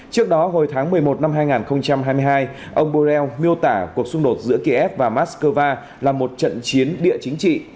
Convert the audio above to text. trước đó hồi tháng một mươi một năm hai nghìn hai mươi hai ông borrell miêu tả cuộc xung đột giữa kiev và moscow là một trận chiến địa chính trị